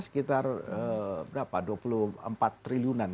sekitar berapa dua puluh empat triliunan